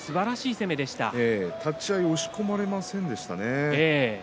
そうですね、立ち合い押し込まれませんでしたね。